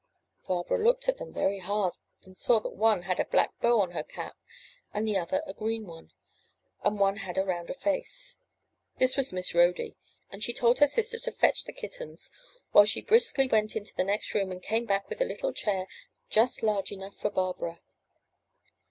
Barbara looked at them very hard, and saw that one had a black bow on her cap and the other a green one, and one had a rounder face. This was Miss Rhody, and she told her sister to fetch the kittens while she briskly went into the next room and came back with a little chair just large enough for Barbara.